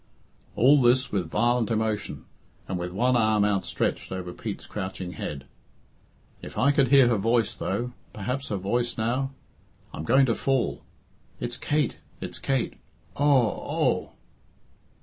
All this with violent emotion, and with one arm outstretched over Pete's crouching head. "If I could hear her voice, though perhaps her voice now I'm going to fall it's Kate, it's Kate! Oh! oh!"